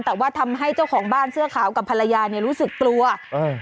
แต่ว่าทำให้เจ้าของบ้านเสื้อขาวกับภรรยาเนี้ยรู้สึกกลัวเออ